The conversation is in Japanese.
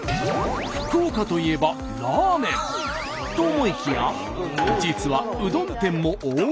福岡といえばラーメンと思いきや実はうどん店も多いんです。